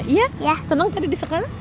iya seneng tadi di sekolah